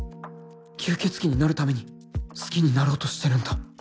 吸血鬼になるために好きになろうとしてるんだ